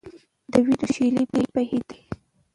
د وینو شېلې بهېدلې.